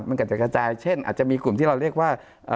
มันก็จะกระจายเช่นอาจจะมีกลุ่มที่เราเรียกว่า